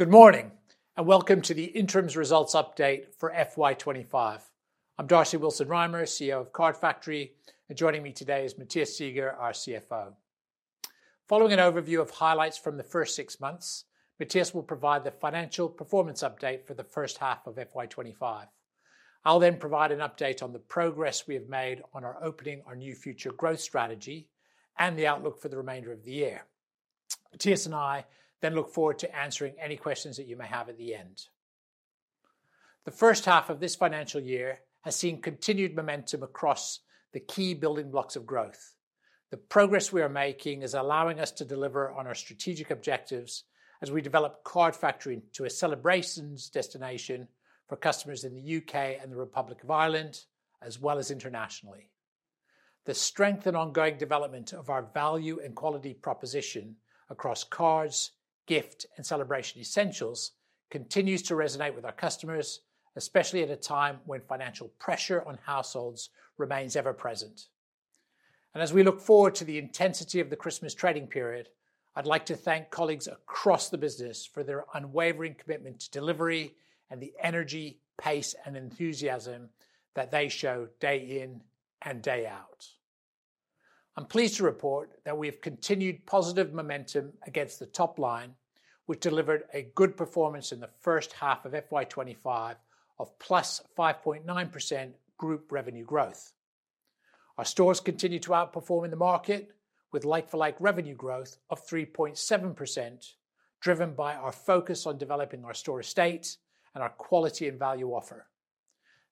Good morning, and welcome to the interim results update for FY 2025. I'm Darcy Willson-Rymer, CEO of Card Factory, and joining me today is Matthias Seeger, our CFO. Following an overview of highlights from the first six months, Matthias will provide the financial performance update for the first half of FY 2025. I'll then provide an update on the progress we have made on opening our Opening Our New Future growth strategy and the outlook for the remainder of the year. Matthias and I then look forward to answering any questions that you may have at the end. The first half of this financial year has seen continued momentum across the key building blocks of growth. The progress we are making is allowing us to deliver on our strategic objectives as we develop Card Factory into a celebrations destination for customers in the U.K. and the Republic of Ireland, as well as internationally. The strength and ongoing development of our value and quality proposition across cards, gift, and celebration essentials continues to resonate with our customers, especially at a time when financial pressure on households remains ever present. And as we look forward to the intensity of the Christmas trading period, I'd like to thank colleagues across the business for their unwavering commitment to delivery and the energy, pace, and enthusiasm that they show day in and day out. I'm pleased to report that we have continued positive momentum against the top line, which delivered a good performance in the first half of FY 2025 of +5.9% group revenue growth. Our stores continue to outperform in the market, with like-for-like revenue growth of 3.7%, driven by our focus on developing our store estate and our quality and value offer.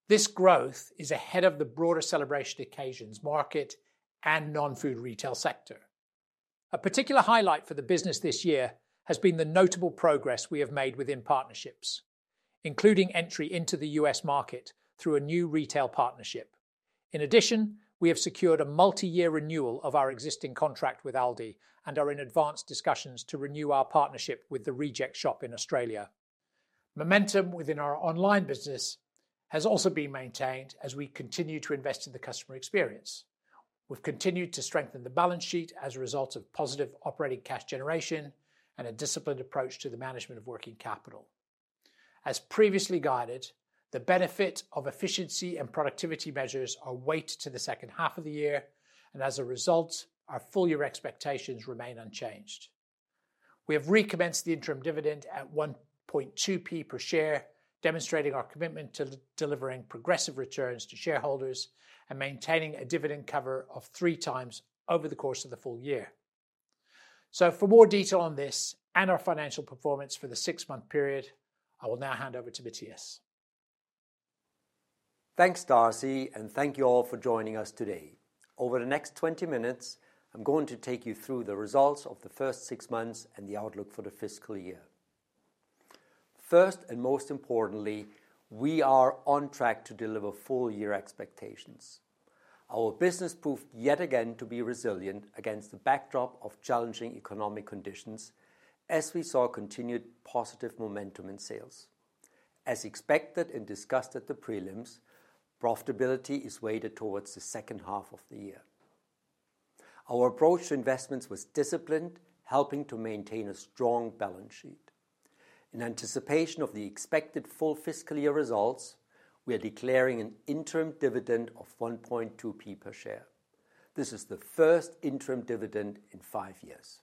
This growth is ahead of the broader celebration occasions market and non-food retail sector. A particular highlight for the business this year has been the notable progress we have made within partnerships, including entry into the U.S. market through a new retail partnership. In addition, we have secured a multi-year renewal of our existing contract with Aldi and are in advanced discussions to renew our partnership with The Reject Shop in Australia. Momentum within our online business has also been maintained as we continue to invest in the customer experience. We've continued to strengthen the balance sheet as a result of positive operating cash generation and a disciplined approach to the management of working capital. As previously guided, the benefit of efficiency and productivity measures are weighed to the second half of the year, and as a result, our full-year expectations remain unchanged. We have recommenced the interim dividend at 1.2p per share, demonstrating our commitment to delivering progressive returns to shareholders and maintaining a dividend cover of three times over the course of the full year, so for more detail on this and our financial performance for the six-month period, I will now hand over to Matthias. Thanks, Darcy, and thank you all for joining us today. Over the next 20 minutes, I'm going to take you through the results of the first six months and the outlook for the fiscal year. First, and most importantly, we are on track to deliver full-year expectations. Our business proved yet again to be resilient against the backdrop of challenging economic conditions as we saw continued positive momentum in sales. As expected and discussed at the prelims, profitability is weighted towards the second half of the year. Our approach to investments was disciplined, helping to maintain a strong balance sheet. In anticipation of the expected full fiscal year results, we are declaring an interim dividend of 1.2p per share. This is the first interim dividend in five years.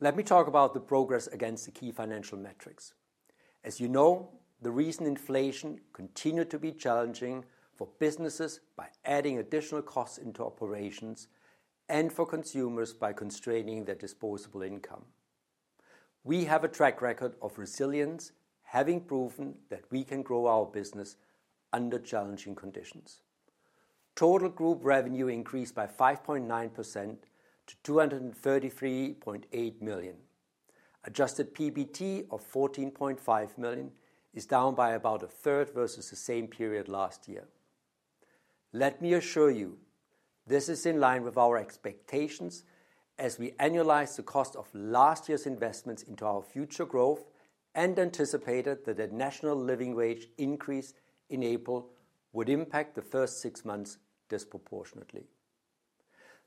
Let me talk about the progress against the key financial metrics. As you know, the recent inflation continued to be challenging for businesses by adding additional costs into operations and for consumers by constraining their disposable income. We have a track record of resilience, having proven that we can grow our business under challenging conditions. Total group revenue increased by 5.9% to 233.8 million. Adjusted PBT of 14.5 million is down by about 1/3 versus the same period last year. Let me assure you, this is in line with our expectations as we annualize the cost of last year's investments into our future growth and anticipated that the National Living Wage increase in April would impact the first six months disproportionately.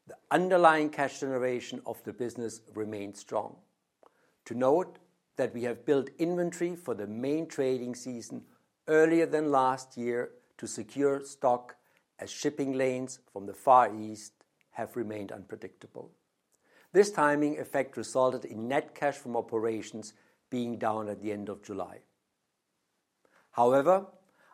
The underlying cash generation of the business remains strong. To note that we have built inventory for the main trading season earlier than last year to secure stock as shipping lanes from the Far East have remained unpredictable. This timing effect resulted in net cash from operations being down at the end of July. However,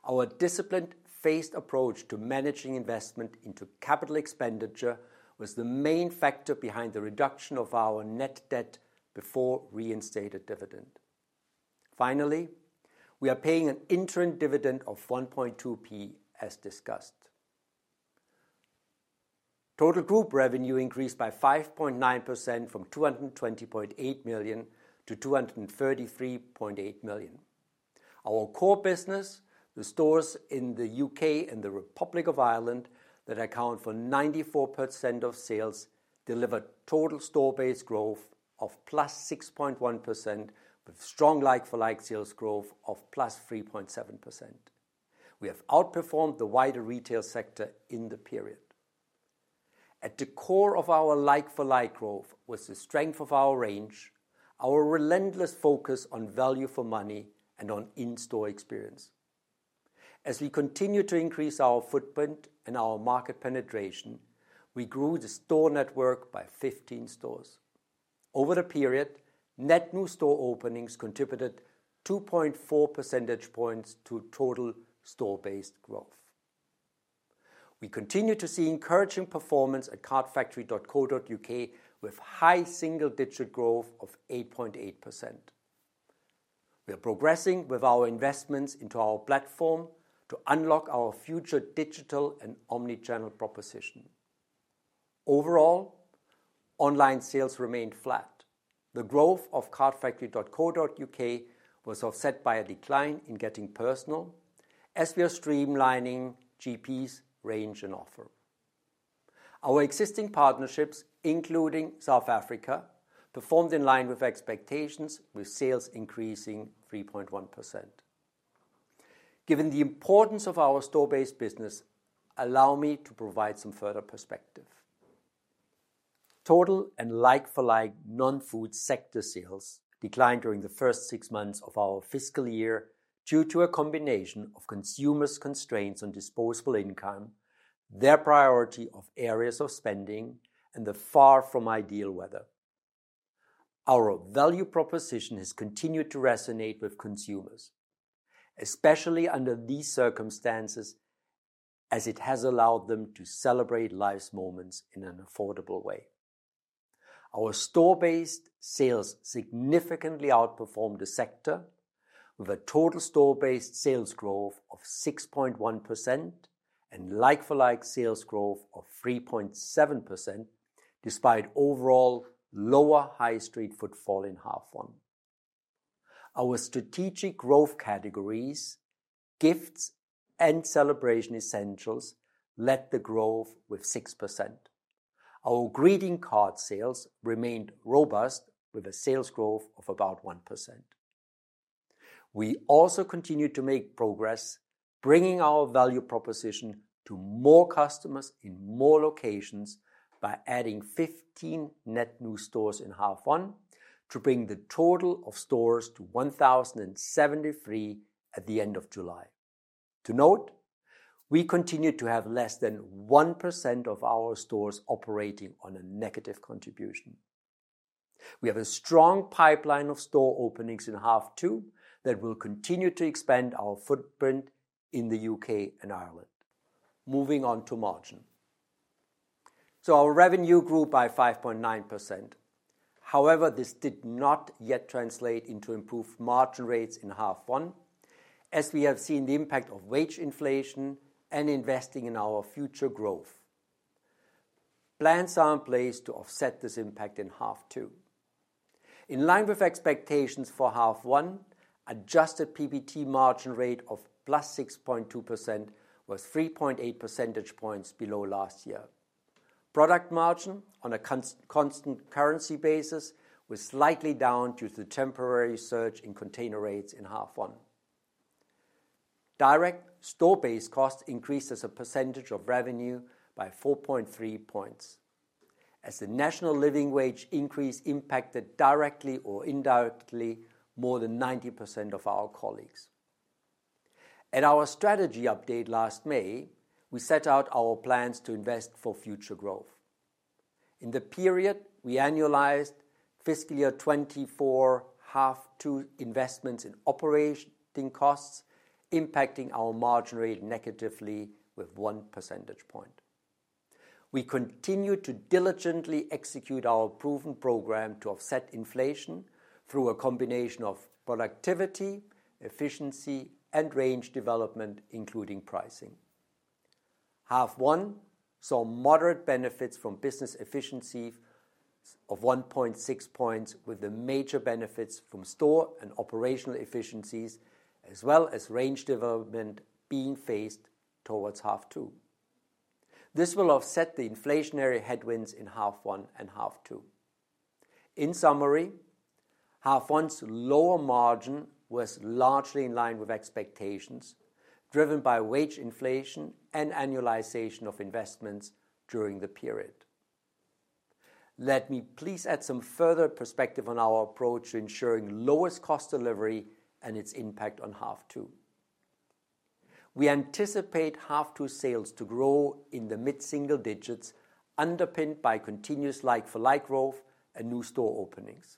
our disciplined, phased approach to managing investment into capital expenditure was the main factor behind the reduction of our net debt before reinstated dividend. Finally, we are paying an interim dividend of 1.2p, as discussed. Total group revenue increased by 5.9% from 220.8 million to 233.8 million. Our core business, the stores in the U.K. and the Republic of Ireland, that account for 94% of sales, delivered total store-based growth of +6.1%, with strong like-for-like sales growth of +3.7%. We have outperformed the wider retail sector in the period. At the core of our like-for-like growth was the strength of our range, our relentless focus on value for money, and on in-store experience. As we continue to increase our footprint and our market penetration, we grew the store network by 15 stores. Over the period, net new store openings contributed 2.4 percentage points to total store-based growth. We continue to see encouraging performance at cardfactory.co.uk, with high single-digit growth of 8.8%. We are progressing with our investments into our platform to unlock our future digital and omni-channel proposition. Overall, online sales remained flat. The growth of cardfactory.co.uk was offset by a decline in Getting Personal, as we are streamlining GP's range and offer. Our existing partnerships, including South Africa, performed in line with expectations, with sales increasing 3.1%. Given the importance of our store-based business, allow me to provide some further perspective. Total and like-for-like non-food sector sales declined during the first six months of our fiscal year due to a combination of consumers' constraints on disposable income, their priority of areas of spending, and the far from ideal weather. Our value proposition has continued to resonate with consumers, especially under these circumstances, as it has allowed them to celebrate life's moments in an affordable way. Our store-based sales significantly outperformed the sector, with a total store-based sales growth of 6.1% and like-for-like sales growth of 3.7%, despite overall lower high street footfall in half one. Our strategic growth categories, gifts and celebration essentials, led the growth with 6%. Our greeting card sales remained robust, with a sales growth of about 1%. We also continued to make progress, bringing our value proposition to more customers in more locations by adding fifteen net new stores in half one, to bring the total of stores to 1,073 at the end of July. To note, we continued to have less than 1% of our stores operating on a negative contribution. We have a strong pipeline of store openings in half two that will continue to expand our footprint in the U.K. and Ireland. Moving on to margin. So our revenue grew by 5.9%. However, this did not yet translate into improved margin rates in half one, as we have seen the impact of wage inflation and investing in our future growth. Plans are in place to offset this impact in half two. In line with expectations for half one, adjusted PBT margin rate of +6.2% was 3.8 percentage points below last year. Product margin on a constant currency basis was slightly down due to the temporary surge in container rates in half one. Direct store-based costs increased as a percentage of revenue by 4.3 points, as the National Living Wage increase impacted, directly or indirectly, more than 90% of our colleagues. At our strategy update last May, we set out our plans to invest for future growth. In the period, we annualized fiscal year 2024 half two investments in operating costs, impacting our margin rate negatively with 1 percentage point. We continued to diligently execute our proven program to offset inflation through a combination of productivity, efficiency, and range development, including pricing. Half one saw moderate benefits from business efficiency of one point six points, with the major benefits from store and operational efficiencies as well as range development being phased towards half two. This will offset the inflationary headwinds in half one and half two. In summary, half one's lower margin was largely in line with expectations, driven by wage inflation and annualization of investments during the period. Let me please add some further perspective on our approach to ensuring lowest cost delivery and its impact on half two. We anticipate half two sales to grow in the mid-single digits, underpinned by continuous like-for-like growth and new store openings.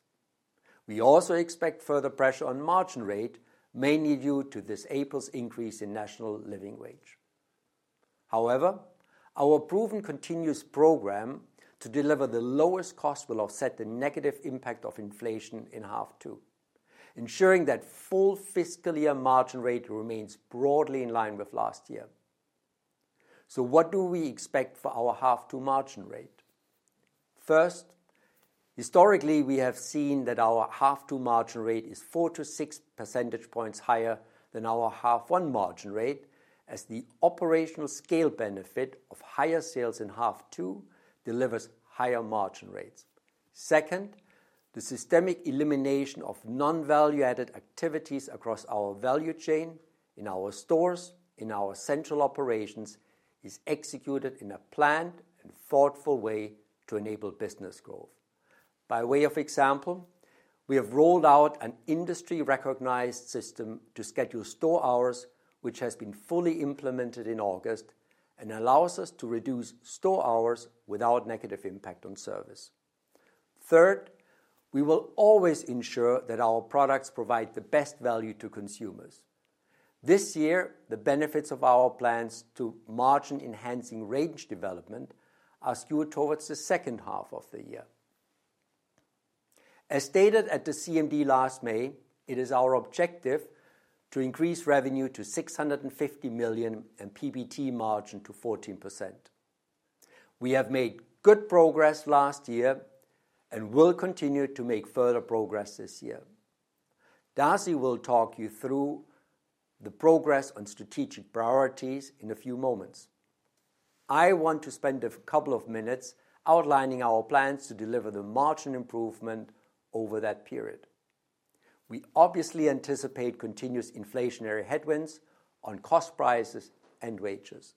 We also expect further pressure on margin rate, mainly due to this April's increase in National Living Wage. However, our proven continuous program to deliver the lowest cost will offset the negative impact of inflation in half two, ensuring that full fiscal year margin rate remains broadly in line with last year. So what do we expect for our half two margin rate? First, historically, we have seen that our half two margin rate is 4-6 percentage points higher than our half one margin rate, as the operational scale benefit of higher sales in half two delivers higher margin rates. Second, the systemic elimination of non-value-added activities across our value chain, in our stores, in our central operations, is executed in a planned and thoughtful way to enable business growth. By way of example, we have rolled out an industry-recognized system to schedule store hours, which has been fully implemented in August and allows us to reduce store hours without negative impact on service. Third, we will always ensure that our products provide the best value to consumers. This year, the benefits of our plans to margin-enhancing range development are skewed towards the second half of the year. As stated at the CMD last May, it is our objective to increase revenue to 650 million, and PBT margin to 14%. We have made good progress last year and will continue to make further progress this year. Darcy will talk you through the progress on strategic priorities in a few moments. I want to spend a couple of minutes outlining our plans to deliver the margin improvement over that period. We obviously anticipate continuous inflationary headwinds on cost prices and wages.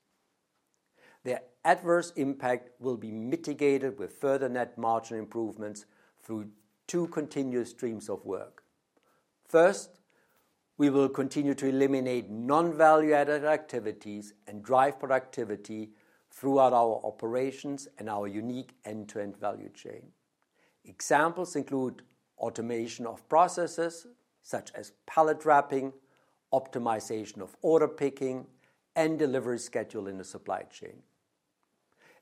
Their adverse impact will be mitigated with further net margin improvements through two continuous streams of work. First, we will continue to eliminate non-value-added activities and drive productivity throughout our operations and our unique end-to-end value chain. Examples include automation of processes, such as pallet wrapping, optimization of order picking, and delivery schedule in the supply chain.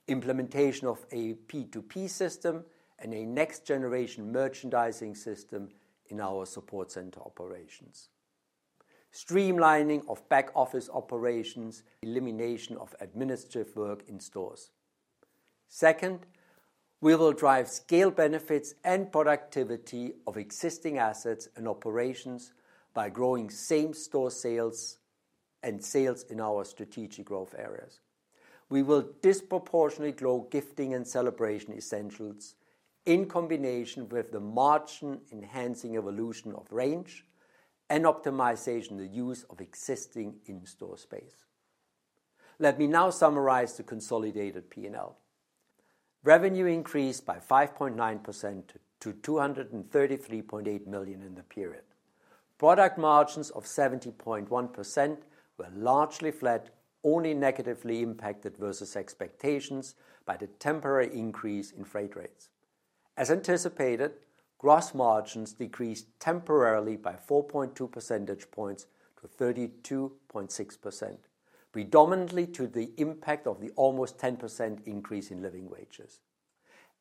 Implementation of a P2P system and a next-generation merchandising system in our support center operations. Streamlining of back-office operations, elimination of administrative work in stores. Second, we will drive scale benefits and productivity of existing assets and operations by growing same-store sales and sales in our strategic growth areas. We will disproportionately grow gifting and celebration essentials in combination with the margin-enhancing evolution of range and optimization of the use of existing in-store space. Let me now summarize the consolidated P&L. Revenue increased by 5.9% to 233.8 million in the period. Product margins of 70.1% were largely flat, only negatively impacted versus expectations by the temporary increase in freight rates. As anticipated, gross margins decreased temporarily by 4.2 percentage points to 32.6%, predominantly to the impact of the almost 10% increase in living wages.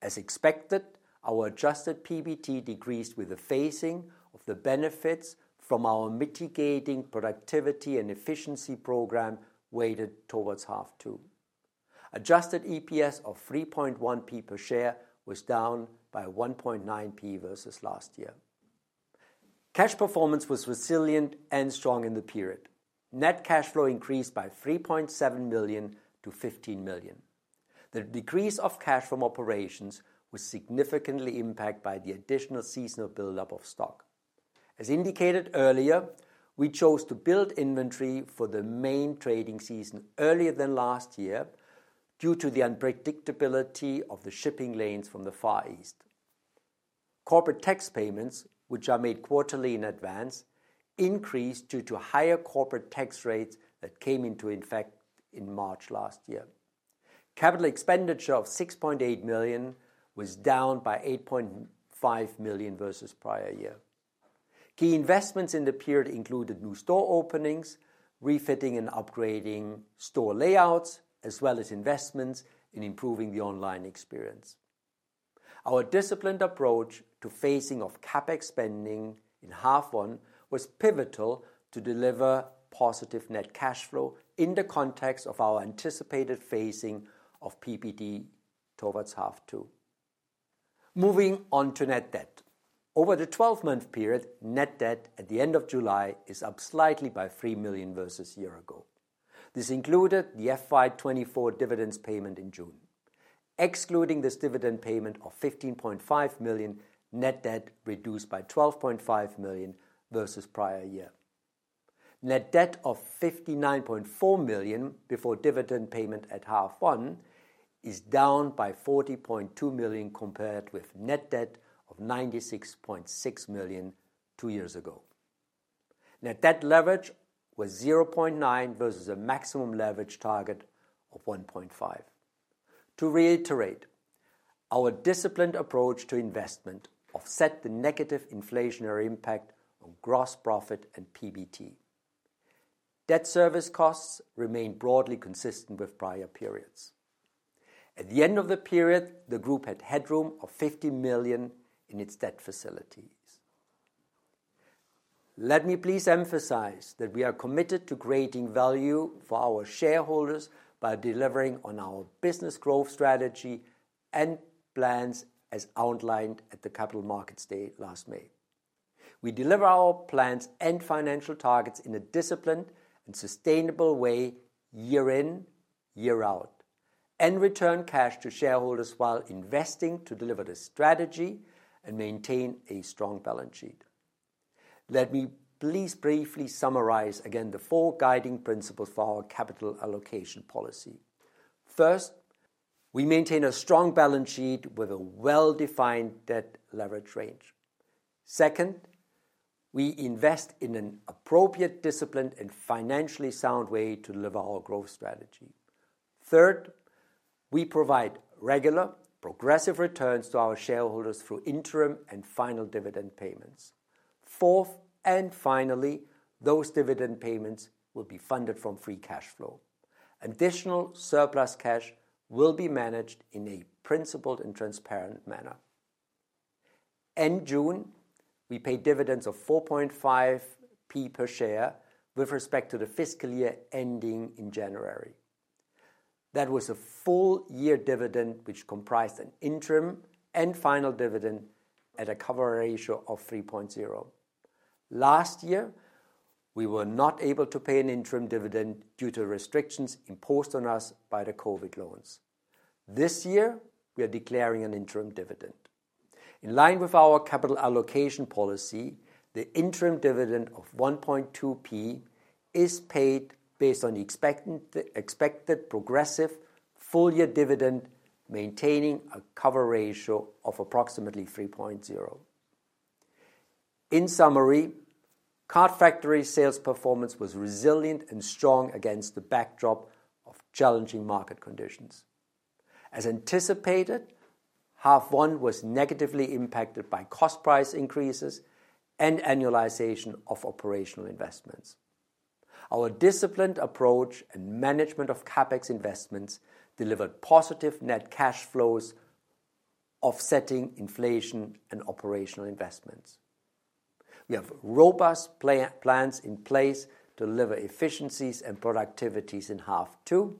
As expected, our adjusted PBT decreased with the phasing of the benefits from our mitigating productivity and efficiency program, weighted towards half two. Adjusted EPS of 3.1p per share was down by 1.9p versus last year. Cash performance was resilient and strong in the period. Net cash flow increased by 3.7 million to 15 million. The decrease of cash from operations was significantly impacted by the additional seasonal buildup of stock. As indicated earlier, we chose to build inventory for the main trading season earlier than last year due to the unpredictability of the shipping lanes from the Far East. Corporate tax payments, which are made quarterly in advance, increased due to higher corporate tax rates that came into effect in March last year. Capital expenditure of 6.8 million was down by 8.5 million versus prior year. Key investments in the period included new store openings, refitting and upgrading store layouts, as well as investments in improving the online experience. Our disciplined approach to phasing of CapEx spending in half one was pivotal to deliver positive net cash flow in the context of our anticipated phasing of PBT towards half two. Moving on to net debt. Over the 12-month period, net debt at the end of July is up slightly by 3 million versus year ago. This included the FY 2024 dividends payment in June. Excluding this dividend payment of 15.5 million, net debt reduced by 12.5 million versus prior year. Net debt of 59.4 million before dividend payment at half one is down by 40.2 million compared with net debt of 96.6 million two years ago. Net debt leverage was 0.9 versus a maximum leverage target of 1.5. To reiterate, our disciplined approach to investment offset the negative inflationary impact on gross profit and PBT. Debt service costs remain broadly consistent with prior periods. At the end of the period, the group had headroom of 50 million in its debt facilities. Let me please emphasize that we are committed to creating value for our shareholders by delivering on our business growth strategy and plans, as outlined at the Capital Markets Day last May... We deliver our plans and financial targets in a disciplined and sustainable way, year in, year out, and return cash to shareholders while investing to deliver the strategy and maintain a strong balance sheet. Let me please briefly summarize again the four guiding principles for our capital allocation policy. First, we maintain a strong balance sheet with a well-defined debt leverage range. Second, we invest in an appropriate, disciplined, and financially sound way to deliver our growth strategy. Third, we provide regular, progressive returns to our shareholders through interim and final dividend payments. Fourth, and finally, those dividend payments will be funded from free cash flow. Additional surplus cash will be managed in a principled and transparent manner. In June, we paid dividends of 4.5p per share with respect to the fiscal year ending in January. That was a full year dividend, which comprised an interim and final dividend at a cover ratio of 3.0. Last year, we were not able to pay an interim dividend due to restrictions imposed on us by the COVID loans. This year, we are declaring an interim dividend. In line with our capital allocation policy, the interim dividend of 1.2p is paid based on the expected progressive full-year dividend, maintaining a cover ratio of approximately 3.0. In summary, Card Factory sales performance was resilient and strong against the backdrop of challenging market conditions. As anticipated, half one was negatively impacted by cost price increases and annualization of operational investments. Our disciplined approach and management of CapEx investments delivered positive net cash flows, offsetting inflation and operational investments. We have robust plans in place to deliver efficiencies and productivities in half two,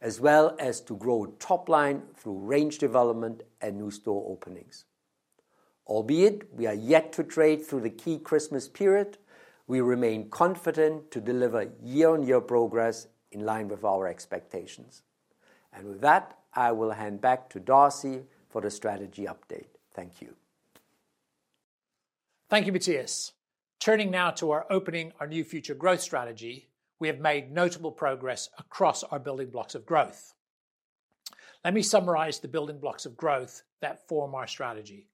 as well as to grow top line through range development and new store openings. Albeit we are yet to trade through the key Christmas period, we remain confident to deliver year-on-year progress in line with our expectations, and with that, I will hand back to Darcy for the strategy update. Thank you. Thank you, Matthias. Turning now to our Opening Our New Future growth strategy, we have made notable progress across our building blocks of growth. Let me summarize the building blocks of growth that form our strategy.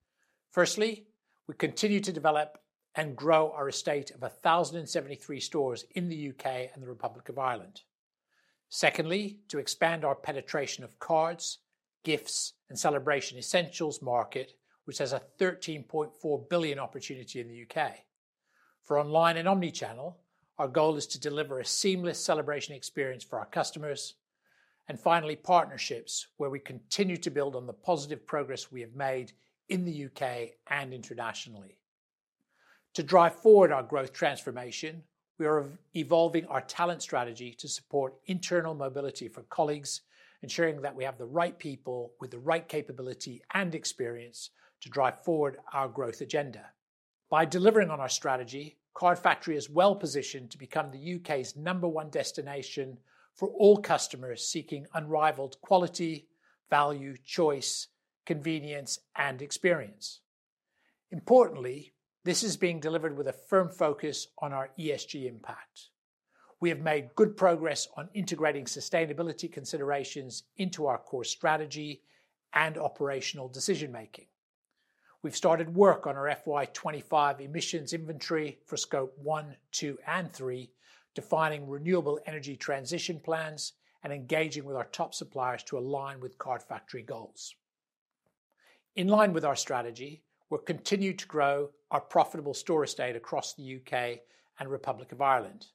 Firstly, we continue to develop and grow our estate of 1,073 stores in the U.K. and the Republic of Ireland. Secondly, to expand our penetration of cards, gifts, and celebration essentials market, which has a 13.4 billion opportunity in the U.K. For online and omni-channel, our goal is to deliver a seamless celebration experience for our customers. And finally, partnerships, where we continue to build on the positive progress we have made in the U.K. and internationally. To drive forward our growth transformation, we are evolving our talent strategy to support internal mobility for colleagues, ensuring that we have the right people with the right capability and experience to drive forward our growth agenda. By delivering on our strategy, Card Factory is well-positioned to become the U.K.'s number one destination for all customers seeking unrivaled quality, value, choice, convenience, and experience. Importantly, this is being delivered with a firm focus on our ESG impact. We have made good progress on integrating sustainability considerations into our core strategy and operational decision-making. We've started work on our FY 2025 emissions inventory for Scope 1, 2, and 3, defining renewable energy transition plans and engaging with our top suppliers to align with Card Factory goals. In line with our strategy, we'll continue to grow our profitable store estate across the U.K. and Republic of Ireland.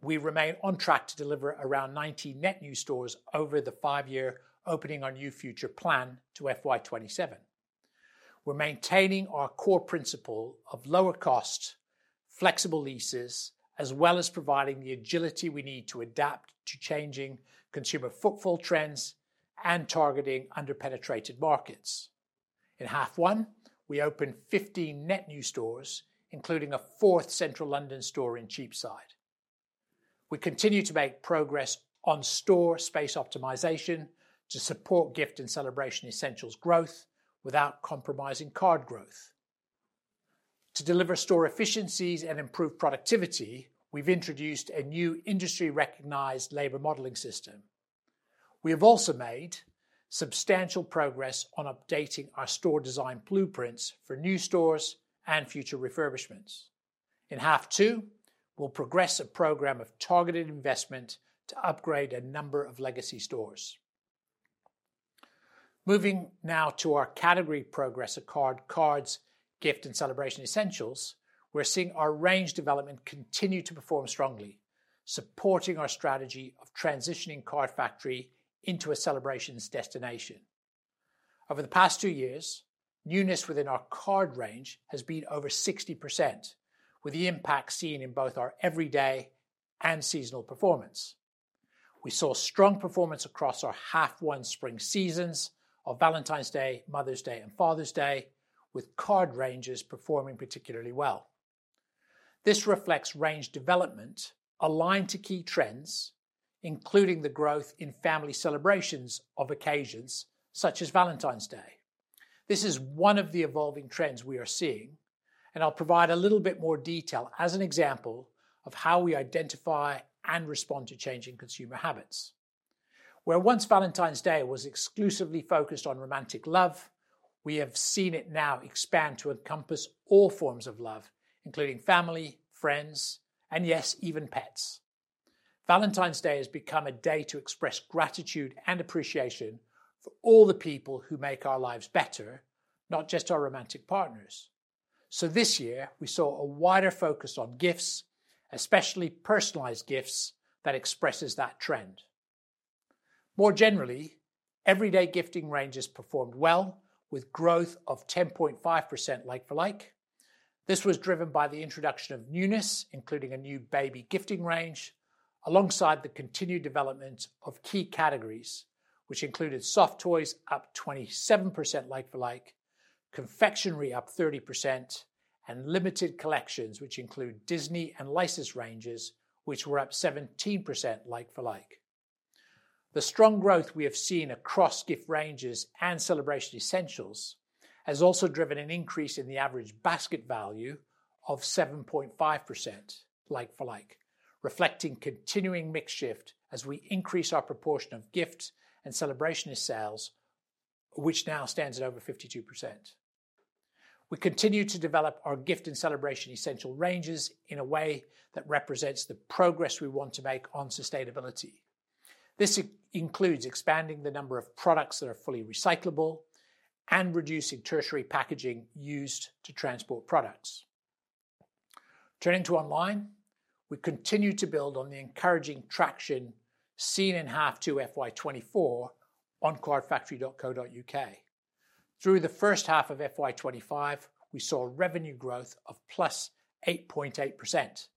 We remain on track to deliver around 90 net new stores over the 5-year Opening Our New Future plan to FY 2027. We're maintaining our core principle of lower cost, flexible leases, as well as providing the agility we need to adapt to changing consumer footfall trends and targeting under-penetrated markets. In half one, we opened 15 net new stores, including a fourth Central London store in Cheapside. We continue to make progress on store space optimization to support gift and celebration essentials growth without compromising card growth. To deliver store efficiencies and improve productivity, we've introduced a new industry-recognized labor modeling system. We have also made substantial progress on updating our store design blueprints for new stores and future refurbishments. In half two, we'll progress a program of targeted investment to upgrade a number of legacy stores. Moving now to our category progress of card, cards, gift, and celebration essentials, we're seeing our range development continue to perform strongly, supporting our strategy of transitioning Card Factory into a celebrations destination. Over the past two years, newness within our card range has been over 60%, with the impact seen in both our everyday and seasonal performance. We saw strong performance across our half one spring seasons of Valentine's Day, Mother's Day, and Father's Day, with card ranges performing particularly well. This reflects range development aligned to key trends, including the growth in family celebrations of occasions such as Valentine's Day. This is one of the evolving trends we are seeing, and I'll provide a little bit more detail as an example of how we identify and respond to changing consumer habits. Where once Valentine's Day was exclusively focused on romantic love, we have seen it now expand to encompass all forms of love, including family, friends, and yes, even pets. Valentine's Day has become a day to express gratitude and appreciation for all the people who make our lives better, not just our romantic partners. So this year, we saw a wider focus on gifts, especially personalized gifts, that expresses that trend. More generally, everyday gifting ranges performed well, with growth of 10.5% like-for-like. This was driven by the introduction of newness, including a new baby gifting range, alongside the continued development of key categories, which included soft toys up 27% like-for-like, confectionery up 30%, and limited collections, which include Disney and licensed ranges, which were up 17% like-for-like. The strong growth we have seen across gift ranges and celebration essentials has also driven an increase in the average basket value of 7.5% like-for-like, reflecting continuing mix shift as we increase our proportion of gift and celebration essentials sales, which now stands at over 52%. We continue to develop our gift and celebration essentials ranges in a way that represents the progress we want to make on sustainability. This includes expanding the number of products that are fully recyclable and reducing tertiary packaging used to transport products. Turning to online, we continue to build on the encouraging traction seen in half two FY 2024 on cardfactory.co.uk. Through the first half of FY 2025, we saw revenue growth of +8.8%.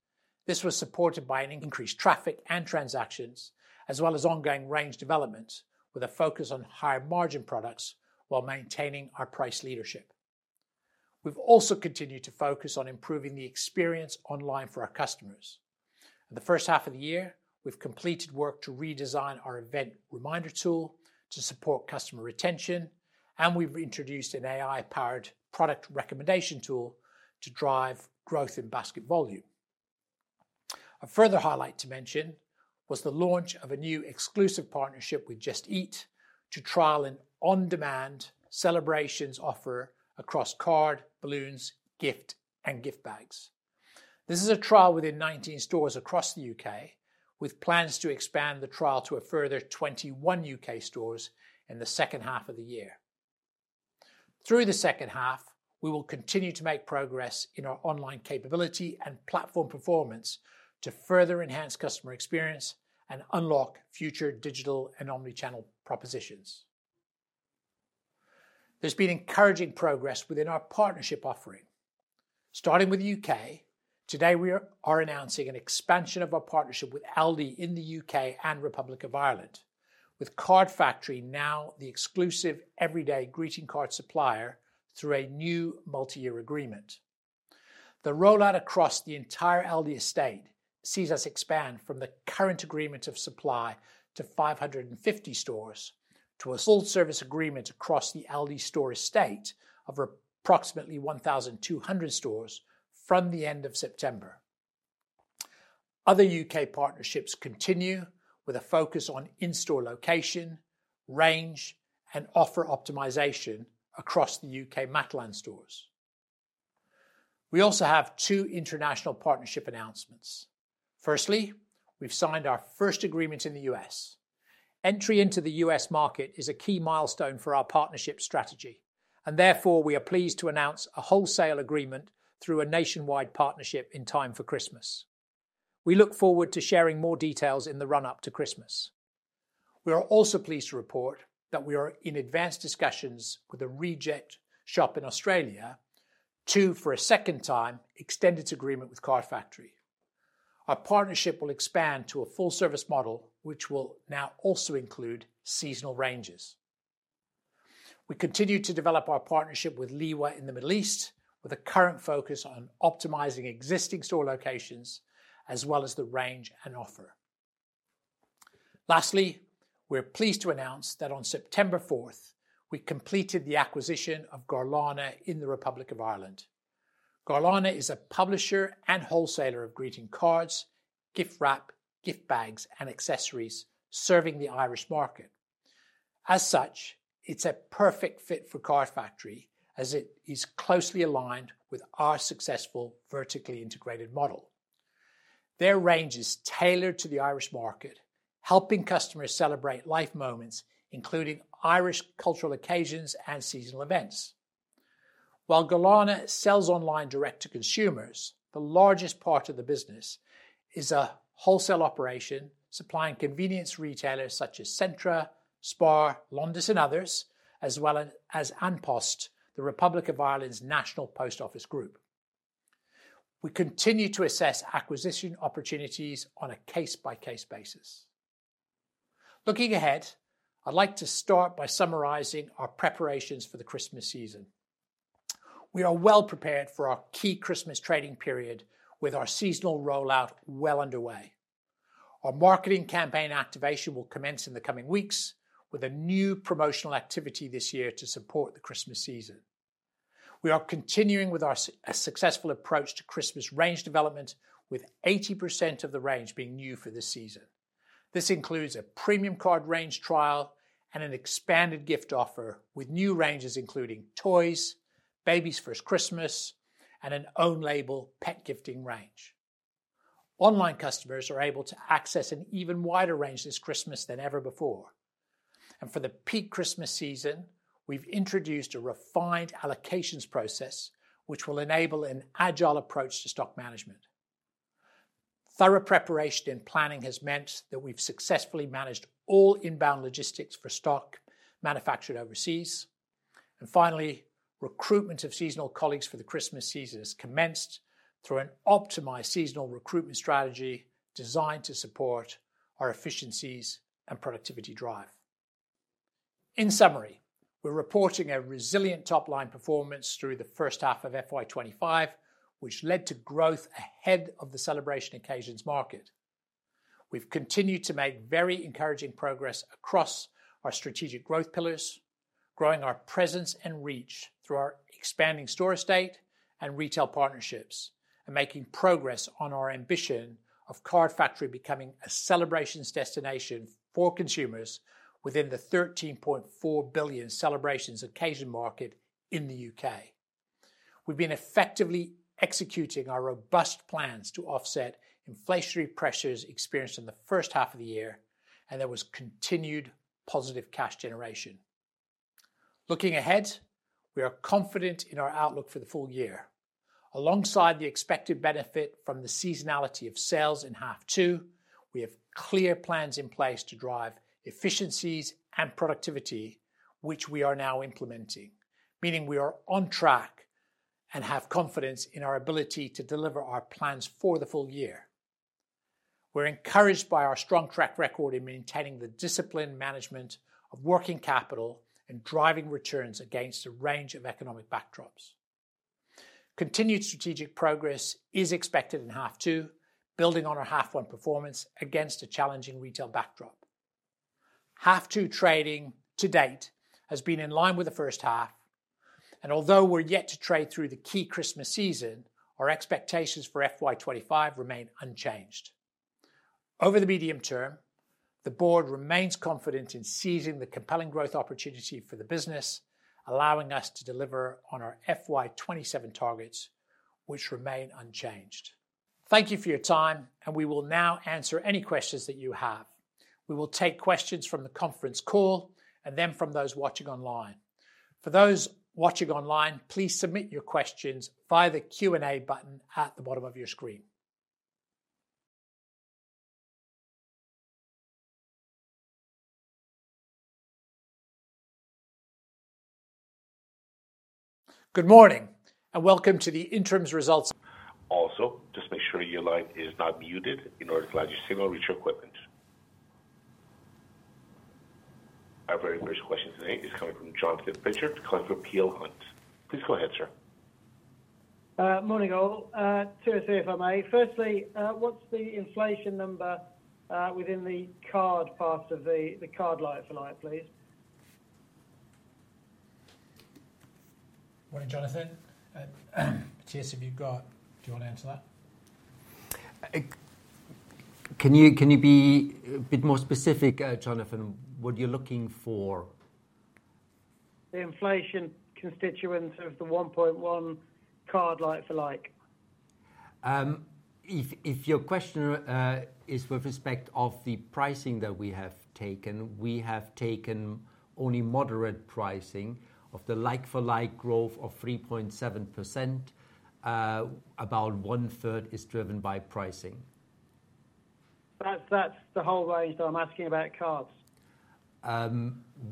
This was supported by an increased traffic and transactions, as well as ongoing range development, with a focus on higher margin products while maintaining our price leadership. We've also continued to focus on improving the experience online for our customers. In the first half of the year, we've completed work to redesign our event reminder tool to support customer retention, and we've introduced an AI-powered product recommendation tool to drive growth in basket volume. A further highlight to mention was the launch of a new exclusive partnership with Just Eat to trial an on-demand celebrations offer across card, balloons, gift, and gift bags. This is a trial within 19 stores across the U.K., with plans to expand the trial to a further 21 U.K. stores in the second half of the year. Through the second half, we will continue to make progress in our online capability and platform performance to further enhance customer experience and unlock future digital and omni-channel propositions. There's been encouraging progress within our partnership offering. Starting with the U.K., today we are announcing an expansion of our partnership with Aldi in the U.K. and Republic of Ireland, with Card Factory now the exclusive everyday greeting card supplier through a new multi-year agreement. The rollout across the entire Aldi estate sees us expand from the current agreement of supply to 550 stores to a full service agreement across the Aldi store estate of approximately 1,200 stores from the end of September. Other U.K. partnerships continue with a focus on in-store location, range, and offer optimization across the U.K. Matalan stores. We also have two international partnership announcements. Firstly, we've signed our first agreement in the U.S. Entry into the U.S. market is a key milestone for our partnership strategy, and therefore, we are pleased to announce a wholesale agreement through a nationwide partnership in time for Christmas. We look forward to sharing more details in the run-up to Christmas. We are also pleased to report that we are in advanced discussions with a Reject Shop in Australia to, for a second time, extend its agreement with Card Factory. Our partnership will expand to a full service model, which will now also include seasonal ranges. We continue to develop our partnership with Liwa in the Middle East, with a current focus on optimizing existing store locations, as well as the range and offer. Lastly, we're pleased to announce that on September fourth, we completed the acquisition of Garlanna in the Republic of Ireland. Garlanna is a publisher and wholesaler of greeting cards, gift wrap, gift bags, and accessories serving the Irish market. As such, it's a perfect fit for Card Factory, as it is closely aligned with our successful vertically integrated model. Their range is tailored to the Irish market, helping customers celebrate life moments, including Irish cultural occasions and seasonal events. While Garlanna sells online direct to consumers, the largest part of the business is a wholesale operation, supplying convenience retailers such as Centra, Spar, Londis, and others, as well as An Post, the Republic of Ireland's national post office group. We continue to assess acquisition opportunities on a case-by-case basis. Looking ahead, I'd like to start by summarizing our preparations for the Christmas season. We are well prepared for our key Christmas trading period, with our seasonal rollout well underway. Our marketing campaign activation will commence in the coming weeks, with a new promotional activity this year to support the Christmas season. We are continuing with our successful approach to Christmas range development, with 80% of the range being new for this season. This includes a premium card range trial and an expanded gift offer, with new ranges including toys, Baby's First Christmas, and an own label pet gifting range. Online customers are able to access an even wider range this Christmas than ever before, and for the peak Christmas season, we've introduced a refined allocations process, which will enable an agile approach to stock management. Thorough preparation and planning has meant that we've successfully managed all inbound logistics for stock manufactured overseas. Finally, recruitment of seasonal colleagues for the Christmas season has commenced through an optimized seasonal recruitment strategy designed to support our efficiencies and productivity drive. In summary, we're reporting a resilient top-line performance through the first half of FY 2025, which led to growth ahead of the celebration occasions market. We've continued to make very encouraging progress across our strategic growth pillars, growing our presence and reach through our expanding store estate and retail partnerships, and making progress on our ambition of Card Factory becoming a celebrations destination for consumers within the 13.4 billion celebrations occasion market in the U.K. We've been effectively executing our robust plans to offset inflationary pressures experienced in the first half of the year, and there was continued positive cash generation. Looking ahead, we are confident in our outlook for the full year. Alongside the expected benefit from the seasonality of sales in half two, we have clear plans in place to drive efficiencies and productivity, which we are now implementing, meaning we are on track and have confidence in our ability to deliver our plans for the full year. We're encouraged by our strong track record in maintaining the disciplined management of working capital and driving returns against a range of economic backdrops. Continued strategic progress is expected in half two, building on our half one performance against a challenging retail backdrop. Half two trading to date has been in line with the first half, and although we're yet to trade through the key Christmas season, our expectations for FY 2025 remain unchanged. Over the medium term, the board remains confident in seizing the compelling growth opportunity for the business, allowing us to deliver on our FY 2027 targets, which remain unchanged. Thank you for your time, and we will now answer any questions that you have. We will take questions from the conference call and then from those watching online. For those watching online, please submit your questions via the Q&A button at the bottom of your screen. Good morning, and welcome to the interim results. Also, just make sure your line is not muted in order to allow your signal reach your equipment. Our very first question today is coming from Jonathan Pritchard, client from Peel Hunt. Please go ahead, sir. Morning all. Two or three, if I may. Firstly, what's the inflation number within the card part of the card like-for-like, please? Morning, Jonathan. Matthias, have you got... Do you want to answer that? Can you be a bit more specific, Jonathan, what you're looking for? The inflation constituent of the 1.1% like-for-like. If your question is with respect to the pricing that we have taken, we have taken only moderate pricing. Of the like-for-like growth of 3.7%, about one third is driven by pricing. That's the whole way, so I'm asking about cards.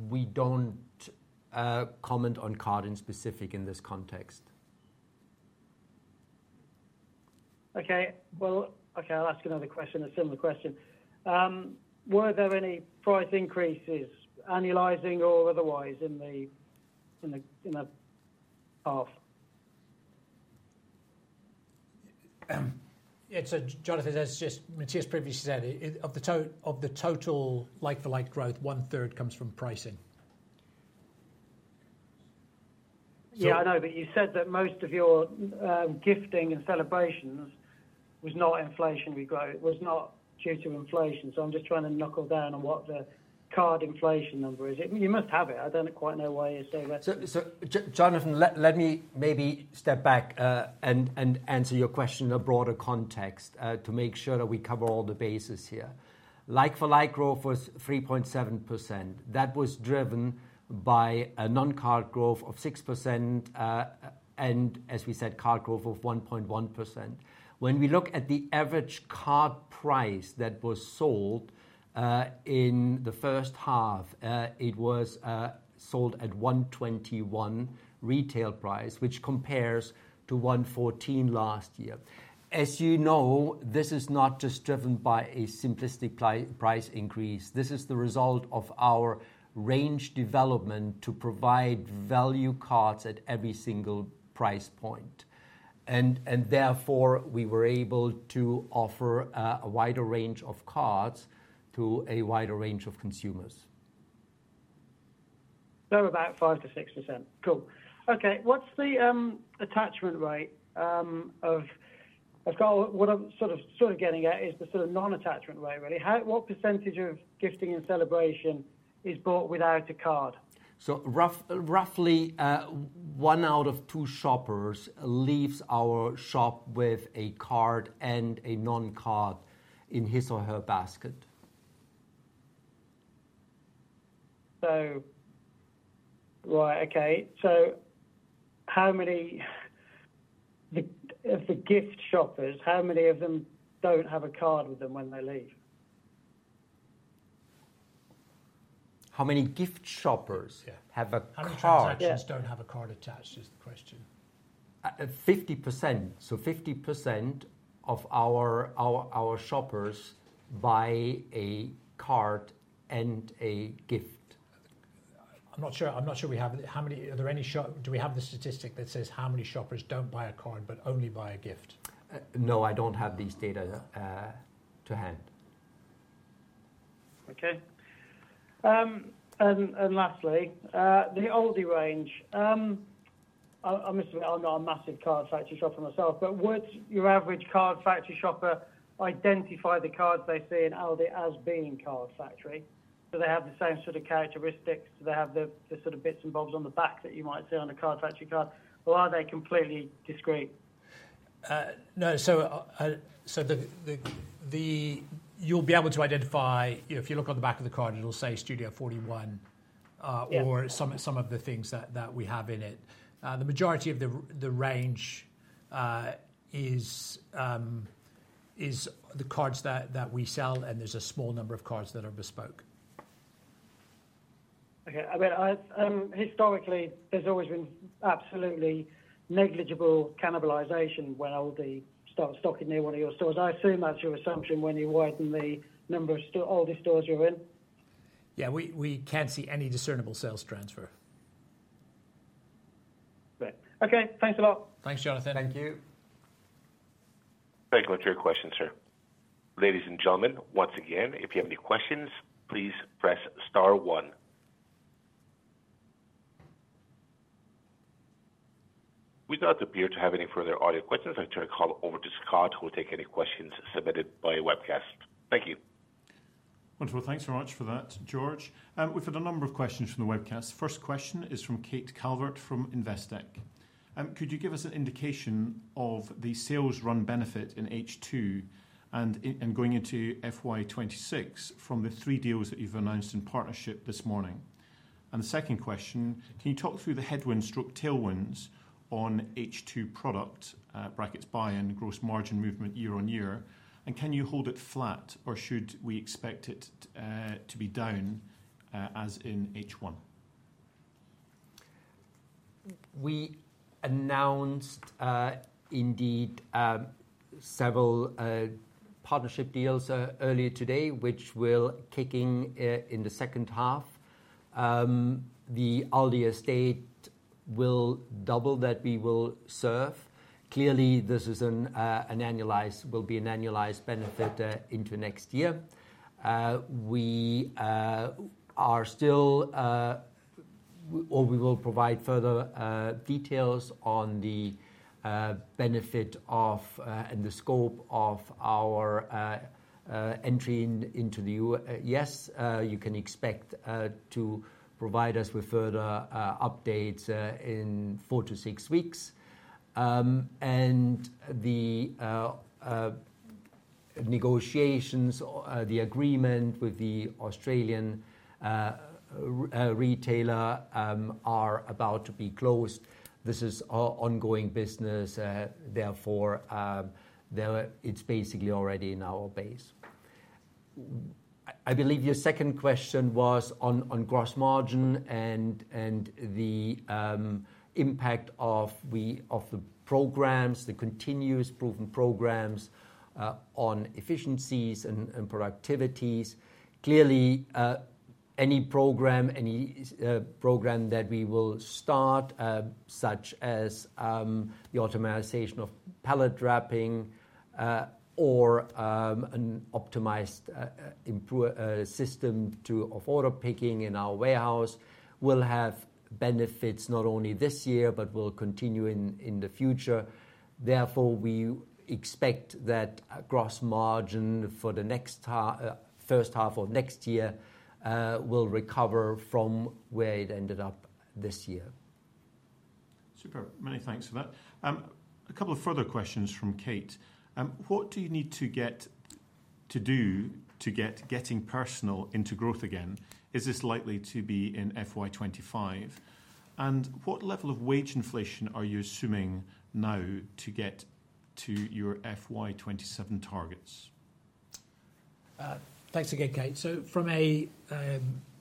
We don't comment on cards specifically in this context. Okay, well, okay, I'll ask another question, a similar question. Were there any price increases, annualizing or otherwise, in that half? Yeah, so Jonathan, as just Matthias previously said, of the total like-for-like growth, 1/3 comes from pricing. So- Yeah, I know, but you said that most of your gifting and celebrations was not inflationary growth. It was not due to inflation, so I'm just trying to knuckle down on what the card inflation number is. You must have it. I don't quite know why you're saying that. Jonathan, let me maybe step back and answer your question in a broader context to make sure that we cover all the bases here. Like-for-like growth was 3.7%. That was driven by a non-card growth of 6%, and as we said, card growth of 1.1%. When we look at the average card price that was sold in the first half, it was sold at 1.21 retail price, which compares to 1.14 last year. As you know, this is not just driven by a simplistic price increase. This is the result of our range development to provide value cards at every single price point, and therefore, we were able to offer a wider range of cards to a wider range of consumers. So about 5%-6%. Cool. Okay, what's the attachment rate of... I've got what I'm sort of, sort of getting at, is the sort of non-attachment rate, really. How, what percentage of gifting and celebration is bought without a card? Roughly, one out of two shoppers leaves our shop with a card and a non-card in his or her basket. Right, okay. How many of the gift shoppers don't have a card with them when they leave? How many gift shoppers- Yeah. Have a card? How many transactions don't have a card attached, is the question. 50%. So 50% of our shoppers buy a card and a gift. I'm not sure we have the statistic that says how many shoppers don't buy a card but only buy a gift? No, I don't have these data to hand. Okay. Lastly, the Aldi range. I'm not a massive Card Factory shopper myself, but would your average Card Factory shopper identify the cards they see in Aldi as being Card Factory? Do they have the same sort of characteristics? Do they have the sort of bits and bobs on the back that you might see on a Card Factory card, or are they completely discrete? No. You'll be able to identify, if you look on the back of the card, it'll say Studio 41. Yeah Or some of the things that we have in it. The majority of the range is the cards that we sell, and there's a small number of cards that are bespoke. Okay. I mean, historically, there's always been absolutely negligible cannibalization when Aldi starts stocking near one of your stores. I assume that's your assumption when you widen the number of stores, Aldi stores you're in? Yeah, we can't see any discernible sales transfer. Great. Okay, thanks a lot. Thanks, Jonathan. Thank you. Thank you for your question, sir. Ladies and gentlemen, once again, if you have any questions, please press star one. We do not appear to have any further audio questions. I turn the call over to Scott, who will take any questions submitted by webcast. Thank you. Wonderful. Thanks very much for that, George. We've had a number of questions from the webcast. First question is from Kate Calvert from Investec. Could you give us an indication of the sales run benefit in H2, and going into FY 2026 from the three deals that you've announced in partnership this morning? And the second question, can you talk through the headwinds/tailwinds on H2 product, brackets buy and gross margin movement year on year, and can you hold it flat, or should we expect it to be down as in H1? We announced indeed several partnership deals earlier today, which will kick in in the second half. The Aldi estate will double that we will serve. Clearly, this will be an annualized benefit into next year. We are still or we will provide further details on the benefit of and the scope of our entry, yes you can expect to provide us with further updates in four to six weeks. And the negotiations or the agreement with the Australian retailer are about to be closed. This is our ongoing business, therefore there it's basically already in our base. I believe your second question was on gross margin and the impact of the programs, the continuous proven programs, on efficiencies and productivities. Clearly, any program that we will start, such as the automation of pallet wrapping, or an optimized improved system of order picking in our warehouse, will have benefits not only this year but will continue in the future. Therefore, we expect that gross margin for the next half, first half of next year, will recover from where it ended up this year. Superb. Many thanks for that. A couple of further questions from Kate. What do you need to do to get Getting Personal into growth again? Is this likely to be in FY 2025? And what level of wage inflation are you assuming now to get to your FY 2027 targets? Thanks again, Kate. So from an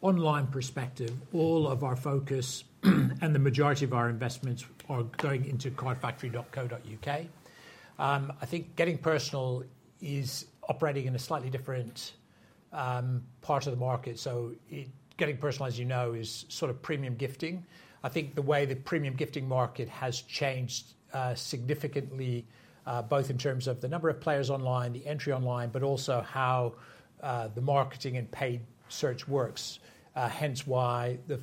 online perspective, all of our focus and the majority of our investments are going into cardfactory.co.uk. I think Getting Personal is operating in a slightly different part of the market. So Getting Personal, as you know, is sort of premium gifting. I think the way the premium gifting market has changed significantly, both in terms of the number of players online, the entry online, but also how the marketing and paid search works. Hence why the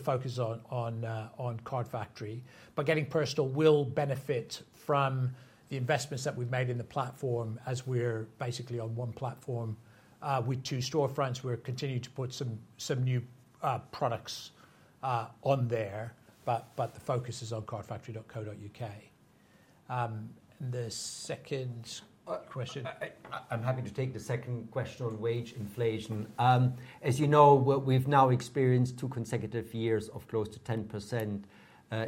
focus on Card Factory. But Getting Personal will benefit from the investments that we've made in the platform as we're basically on one platform with two storefronts. We're continuing to put some new products on there, but the focus is on cardfactory.co.uk. The second question? I'm happy to take the second question on wage inflation. As you know, we've now experienced two consecutive years of close to 10%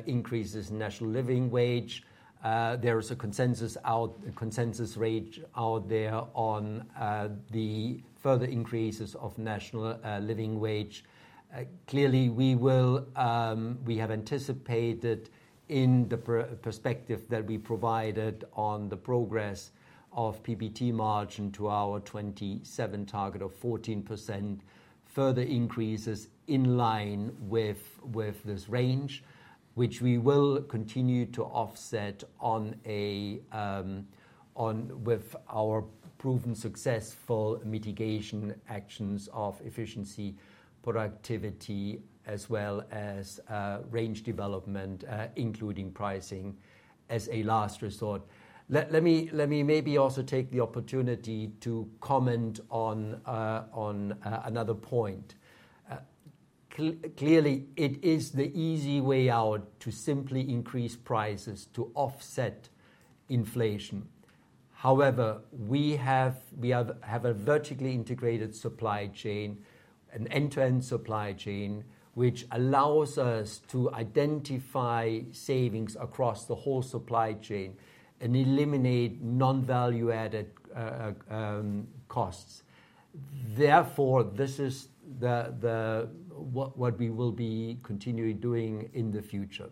increases in National Living Wage. There is a consensus range out there on the further increases of National Living Wage. Clearly, we will. We have anticipated in the perspective that we provided on the progress of PBT margin to our 2027 target of 14%, further increases in line with this range, which we will continue to offset on with our proven successful mitigation actions of efficiency, productivity, as well as range development, including pricing as a last resort. Let me maybe also take the opportunity to comment on another point. Clearly, it is the easy way out to simply increase prices to offset inflation. However, we have a vertically integrated supply chain, an end-to-end supply chain, which allows us to identify savings across the whole supply chain and eliminate non-value-added costs. Therefore, this is what we will be continuing doing in the future.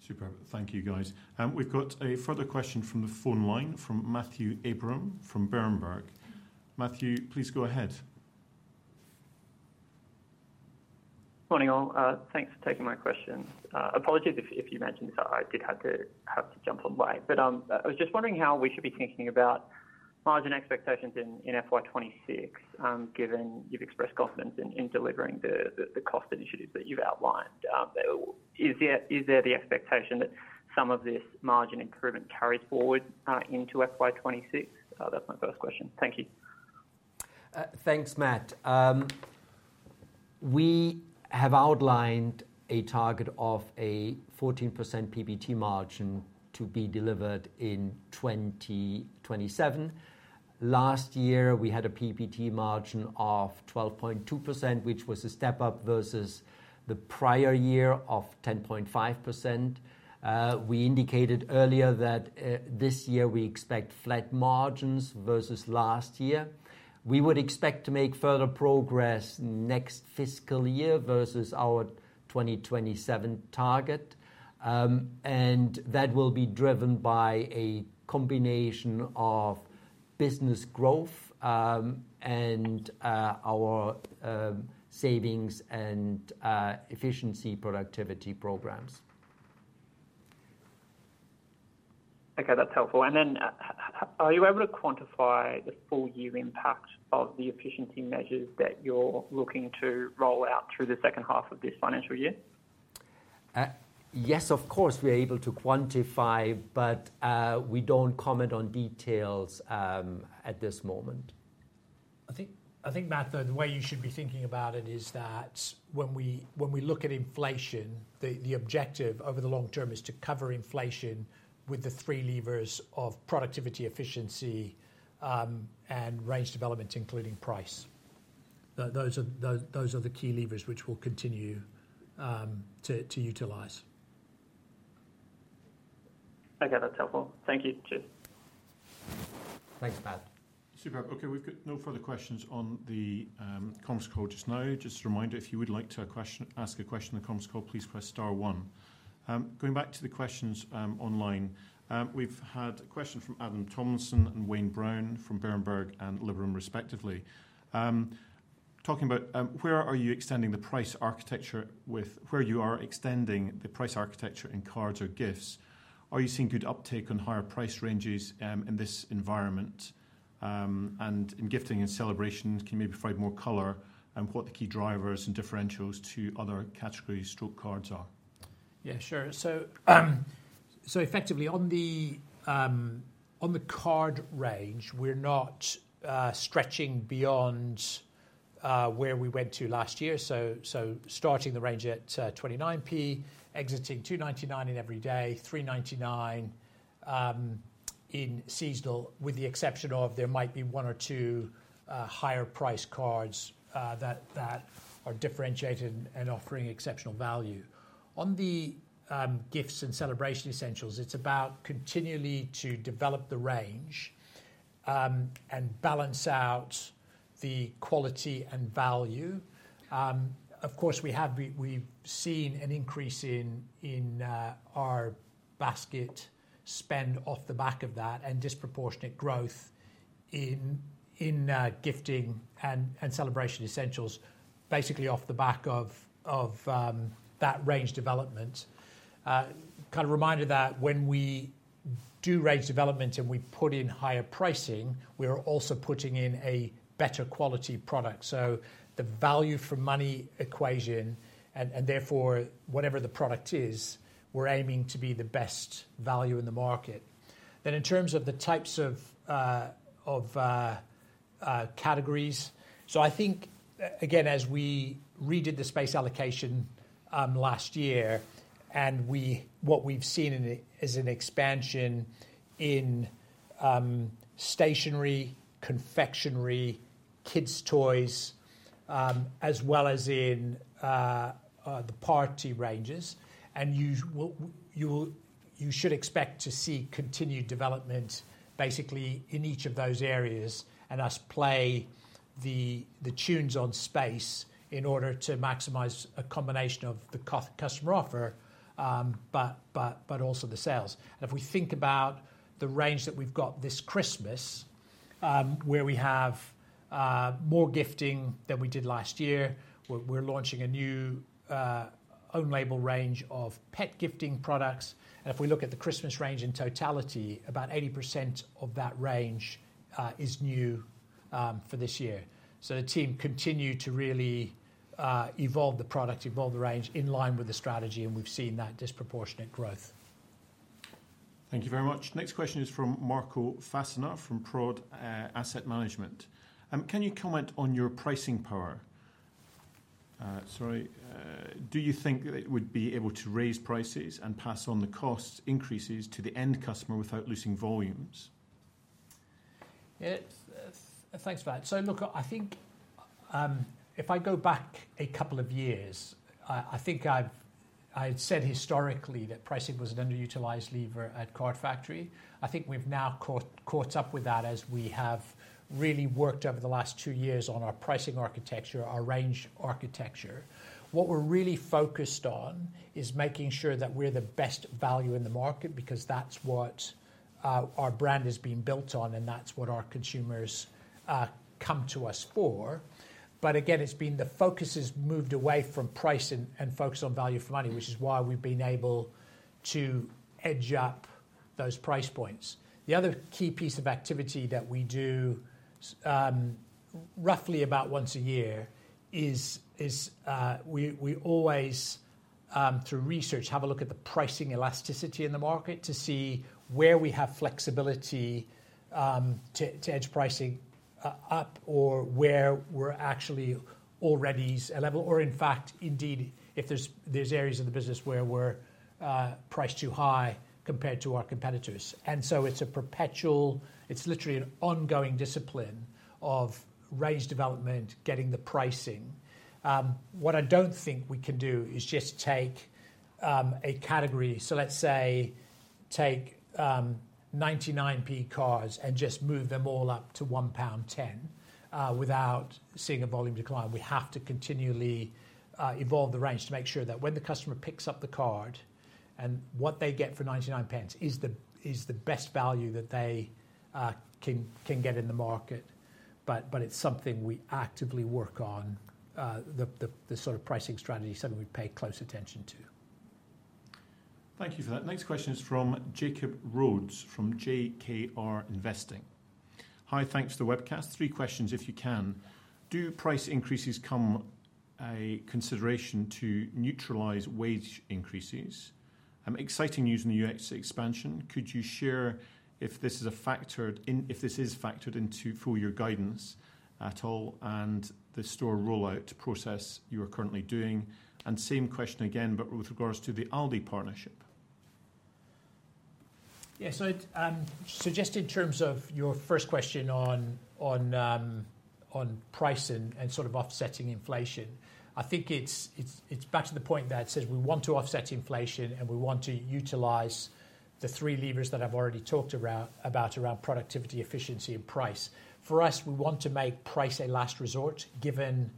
Superb. Thank you, guys. We've got a further question from the phone line, from Matthew Abraham from Berenberg. Matthew, please go ahead. Morning, all. Thanks for taking my question. Apologies if you mentioned this. I did have to jump on late, but I was just wondering how we should be thinking about margin expectations in FY 2026, given you've expressed confidence in delivering the cost initiatives that you've outlined. Is there the expectation that some of this margin improvement carries forward into FY 2026? That's my first question. Thank you. Thanks, Matt. We have outlined a target of a 14% PBT margin to be delivered in 2027. Last year, we had a PBT margin of 12.2%, which was a step up versus the prior year of 10.5%. We indicated earlier that this year we expect flat margins versus last year. We would expect to make further progress next fiscal year versus our 2027 target, and that will be driven by a combination of business growth and our savings and efficiency productivity programs. Okay, that's helpful, and then how are you able to quantify the full year impact of the efficiency measures that you're looking to roll out through the second half of this financial year? Yes, of course, we are able to quantify, but we don't comment on details at this moment. I think, Matt, the way you should be thinking about it is that when we look at inflation, the objective over the long term is to cover inflation with the three levers of productivity, efficiency, and range development, including price. Those are the key levers which we'll continue to utilize. Okay, that's helpful. Thank you. Cheers. Thanks, Matt. Superb. Okay, we've got no further questions on the comms call just now. Just a reminder, if you would like to question, ask a question on the comms call, please press star one. Going back to the questions, online, we've had a question from Adam Tomlinson and Wayne Brown from Berenberg and Liberum, respectively. Talking about where you are extending the price architecture in cards or gifts, are you seeing good uptake on higher price ranges in this environment? And in gifting and celebrations, can you maybe provide more color on what the key drivers and differentials to other categories stroke cards are? Yeah, sure. So, so effectively on the card range, we're not stretching beyond where we went to last year. So, so starting the range at 29p, exiting 2.99 in every day, 3.99 in seasonal, with the exception of there might be one or two higher price cards that are differentiated and offering exceptional value. On the gifts and celebration essentials, it's about continually to develop the range and balance out the quality and value. Of course, we have we, we've seen an increase in our basket spend off the back of that, and disproportionate growth in gifting and celebration essentials, basically off the back of that range development. Kind of reminder that when we do range development and we put in higher pricing, we are also putting in a better quality product. So the value for money equation and therefore, whatever the product is, we're aiming to be the best value in the market. Then in terms of the types of categories, so I think, again, as we redid the space allocation last year, and what we've seen in it is an expansion in stationery, confectionery, kids' toys, as well as in the party ranges. You should expect to see continued development basically in each of those areas, and us play the tunes on space in order to maximize a combination of the customer offer, but also the sales. If we think about the range that we've got this Christmas, where we have more gifting than we did last year, we're launching a new own label range of pet gifting products. If we look at the Christmas range in totality, about 80% of that range is new for this year. The team continue to really evolve the product, evolve the range in line with the strategy, and we've seen that disproportionate growth. Thank you very much. Next question is from Marco Fassina, from Praude Asset Management. Can you comment on your pricing power? Sorry, do you think that it would be able to raise prices and pass on the costs increases to the end customer without losing volumes? Thanks for that. So look, I think if I go back a couple of years, I think I had said historically that pricing was an underutilized lever at Card Factory. I think we've now caught up with that as we have really worked over the last two years on our pricing architecture, our range architecture. What we're really focused on is making sure that we're the best value in the market, because that's what our brand has been built on, and that's what our consumers come to us for. But again, it's been the focus has moved away from price and focus on value for money, which is why we've been able to edge up those price points. The other key piece of activity that we do, roughly about once a year, is, we always, through research, have a look at the pricing elasticity in the market to see where we have flexibility, to edge pricing up, or where we're actually already level, or in fact, indeed, if there's areas of the business where we're priced too high compared to our competitors. And so it's a perpetual. It's literally an ongoing discipline of range development, getting the pricing. What I don't think we can do is just take a category, so let's say, 0.99 cards and just move them all up to 1.10 pound without seeing a volume decline. We have to continually evolve the range to make sure that when the customer picks up the card and what they get for 0.99 is the best value that they can get in the market. But it's something we actively work on, the sort of pricing strategy, something we pay close attention to. Thank you for that. Next question is from Jacob Rhodes, from JKR Investing. Hi, thanks for the webcast. Three questions, if you can. Do price increases come as a consideration to neutralize wage increases? Exciting news on the U.S. expansion. Could you share if this is factored into full-year guidance at all, and the store rollout process you are currently doing? And same question again, but with regards to the Aldi partnership. Yeah. So just in terms of your first question on pricing and sort of offsetting inflation, I think it's back to the point that says we want to offset inflation, and we want to utilize the three levers that I've already talked about around productivity, efficiency, and price. For us, we want to make price a last resort, given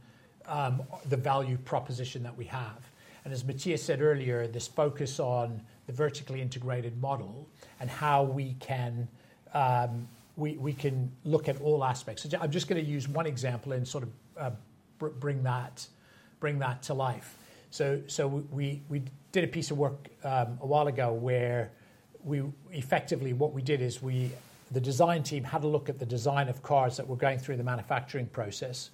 the value proposition that we have. And as Matthias said earlier, this focus on the vertically integrated model and how we can look at all aspects. I'm just gonna use one example and sort of bring that to life. So we did a piece of work. A while ago, where we effectively what we did is the design team had a look at the design of cards that were going through the manufacturing process.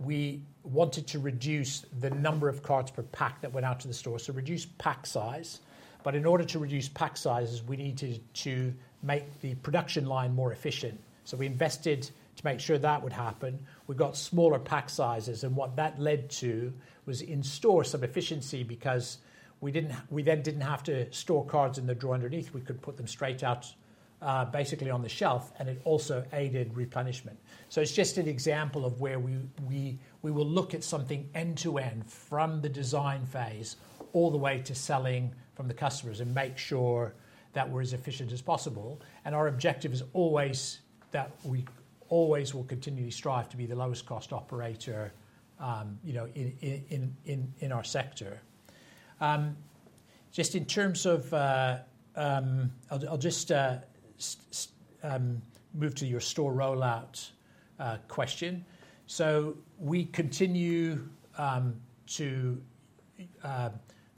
We wanted to reduce the number of cards per pack that went out to the store, so reduce pack size. But in order to reduce pack sizes, we needed to make the production line more efficient. So we invested to make sure that would happen. We got smaller pack sizes, and what that led to was in-store some efficiency, because we then didn't have to store cards in the drawer underneath. We could put them straight out, basically on the shelf, and it also aided replenishment. It's just an example of where we will look at something end-to-end from the design phase all the way to selling to the customers and make sure that we're as efficient as possible. And our objective is always that we always will continually strive to be the lowest cost operator, you know, in our sector. Just in terms of. I'll just move to your store rollout question. So we continue to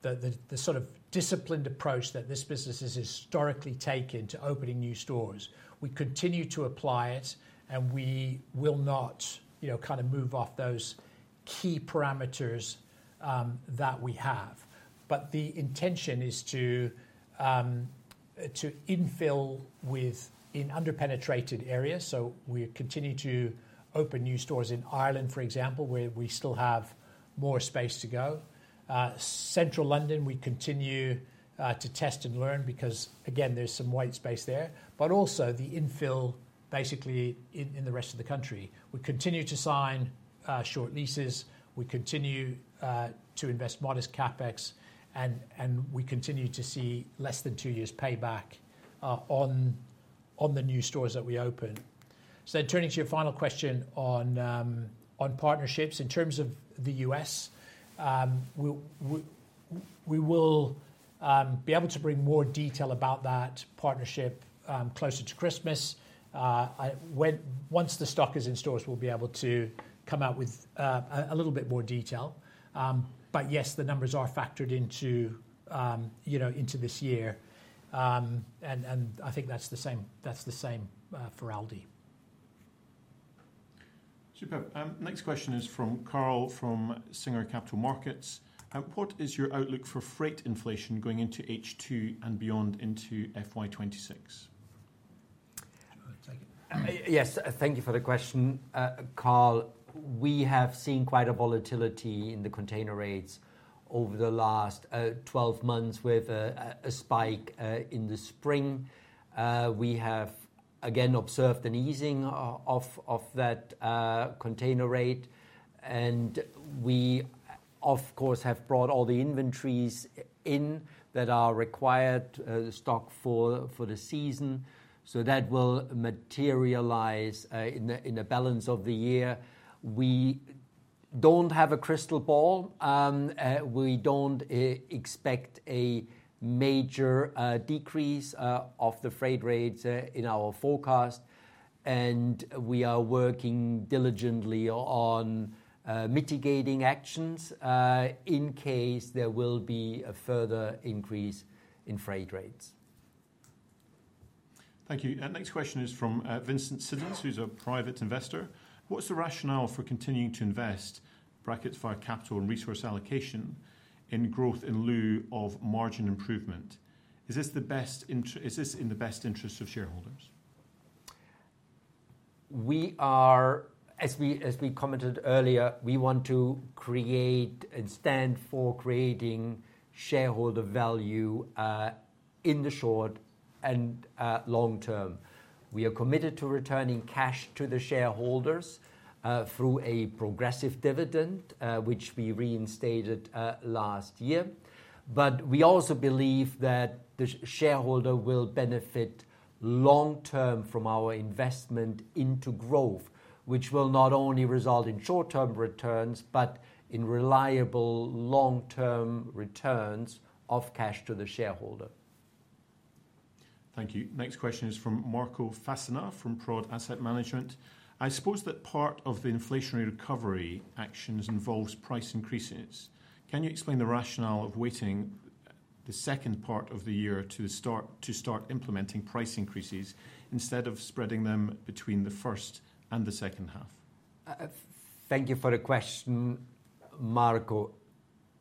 the sort of disciplined approach that this business has historically taken to opening new stores. We continue to apply it, and we will not, you know, kind of move off those key parameters that we have. But the intention is to infill within under-penetrated areas. So we continue to open new stores in Ireland, for example, where we still have more space to go. Central London, we continue to test and learn because, again, there's some white space there. But also the infill, basically, in the rest of the country. We continue to sign short leases. We continue to invest modest CapEx, and we continue to see less than two years payback on the new stores that we open. So turning to your final question on partnerships. In terms of the US, we will be able to bring more detail about that partnership closer to Christmas. Once the stock is in stores, we'll be able to come out with a little bit more detail. But yes, the numbers are factored into, you know, into this year. And I think that's the same for Aldi. Super. Next question is from Carl, from Singer Capital Markets. What is your outlook for freight inflation going into H2 and beyond into FY 2026? I'll take it. Yes, thank you for the question, Carl. We have seen quite a volatility in the container rates over the last 12 months, with a spike in the spring. We have again observed an easing of that container rate, and we, of course, have brought all the inventories in that are required stock for the season. So that will materialize in the balance of the year. We don't have a crystal ball. We don't expect a major decrease of the freight rates in our forecast, and we are working diligently on mitigating actions in case there will be a further increase in freight rates. Thank you. Next question is from Vincent Simmons, who's a private investor. What's the rationale for continuing to invest via capital and resource allocation in growth in lieu of margin improvement? Is this in the best interest of shareholders? We are, as we commented earlier, we want to create and stand for creating shareholder value, in the short and, long term. We are committed to returning cash to the shareholders, through a progressive dividend, which we reinstated, last year. But we also believe that the shareholder will benefit long term from our investment into growth, which will not only result in short-term returns, but in reliable long-term returns of cash to the shareholder. Thank you. Next question is from Marco Fassina, from Praude Asset Management: I suppose that part of the inflationary recovery actions involves price increases. Can you explain the rationale of waiting the second part of the year to start implementing price increases instead of spreading them between the first and the second half? Thank you for the question, Marco.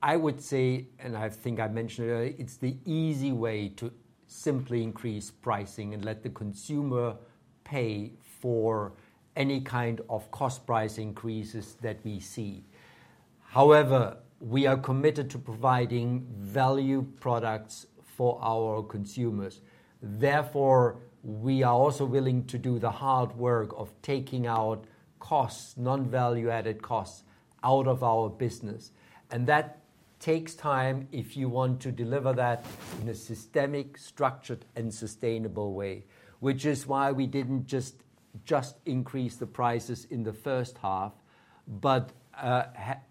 I would say, and I think I mentioned earlier, it's the easy way to simply increase pricing and let the consumer pay for any kind of cost price increases that we see. However, we are committed to providing value products for our consumers. Therefore, we are also willing to do the hard work of taking out costs, non-value-added costs, out of our business, and that takes time if you want to deliver that in a systemic, structured, and sustainable way. Which is why we didn't just increase the prices in the first half, but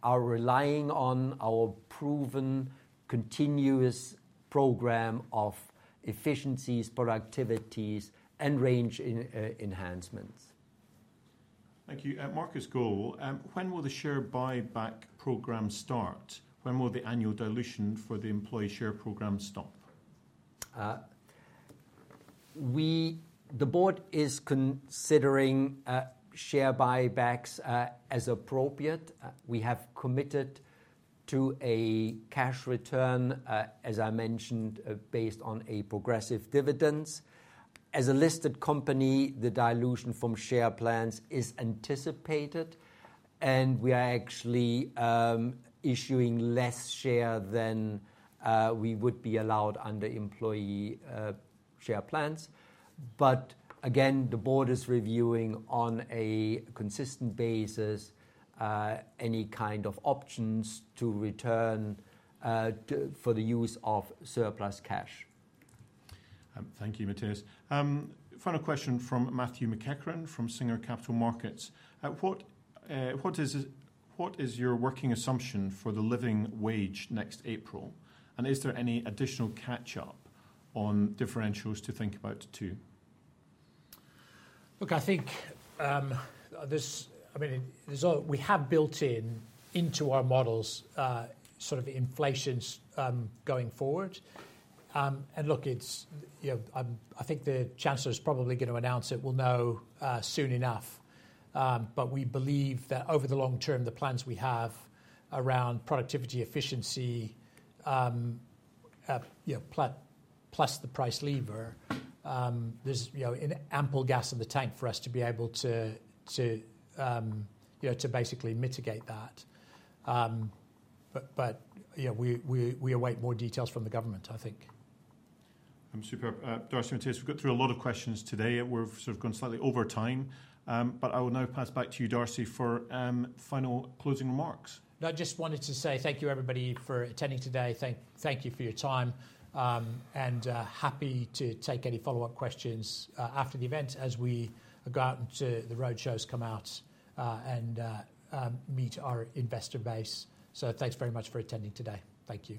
are relying on our proven continuous program of efficiencies, productivities, and range enhancements. Thank you. Marcus Gore, when will the share buyback program start? When will the annual dilution for the employee share program stop? We, the board is considering share buybacks as appropriate. We have committed to a cash return, as I mentioned, based on a progressive dividends. As a listed company, the dilution from share plans is anticipated, and we are actually issuing less share than we would be allowed under employee share plans. But again, the board is reviewing on a consistent basis any kind of options to return for the use of surplus cash. Thank you, Matthias. Final question from Matthew McEachran from Singer Capital Markets. What is your working assumption for the living wage next April? And is there any additional catch-up on differentials to think about, too? Look, I think, this, I mean, there's we have built in into our models, sort of inflations, going forward. And look, it's, you know, I think the Chancellor is probably gonna announce it. We'll know, soon enough. But we believe that over the long term, the plans we have around productivity, efficiency, you know, plus the price lever, there's, you know, an ample gas in the tank for us to be able to, you know, to basically mitigate that. But, you know, we await more details from the government, I think. Super. Darcy and Matthias, we've got through a lot of questions today. We've sort of gone slightly over time, but I will now pass it back to you, Darcy, for final closing remarks. No, I just wanted to say thank you, everybody, for attending today. Thank you for your time, and happy to take any follow-up questions after the event as we go out into the road shows, come out and meet our investor base, so thanks very much for attending today. Thank you.